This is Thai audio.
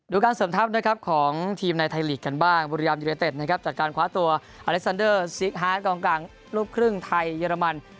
การเสริมทัพนะครับของทีมในไทยลีกกันบ้างบุรีรัมยูเนเต็ดนะครับจากการคว้าตัวอเล็กซันเดอร์ซิกฮาร์ดกองกลางลูกครึ่งไทยเยอรมัน